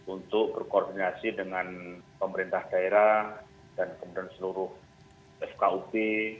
untuk berkoordinasi dengan pemerintah daerah dan kemudian seluruh fkub